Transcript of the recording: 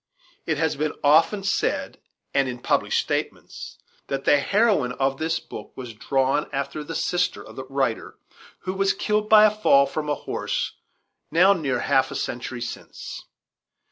It has been often said, and in published statements, that the heroine of this book was drawn after the sister of the writer, who was killed by a fall from a horse now near half a century since.